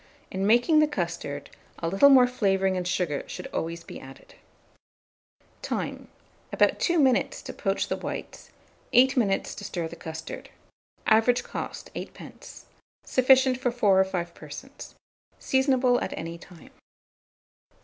In making the custard, a little more flavouring and sugar should always be added. Time. About 2 minutes to poach the whites; 8 minutes to stir the custard. Average cost, 8d. Sufficient for 4 or 5 persons. Seasonable at any time.